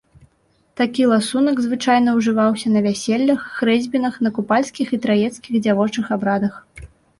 Такі ласунак звычайна ўжываўся на вяселлях, хрэсьбінах, на купальскіх і траецкіх дзявочых абрадах.